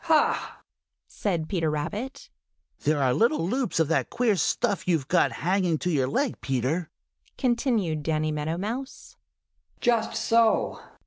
"Ha!" said Peter Rabbit. "There are little loops of that queer stuff you've got hanging to your leg, Peter," continued Danny Meadow Mouse. "Just so!"